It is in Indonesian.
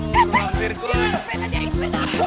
dia udah berangkat